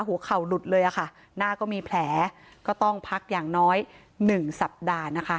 หัวเข่าหลุดเลยค่ะหน้าก็มีแผลก็ต้องพักอย่างน้อย๑สัปดาห์นะคะ